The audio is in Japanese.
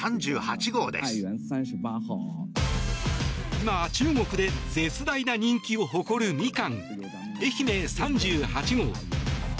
今、中国で絶大な人気を誇るミカン、愛媛３８号。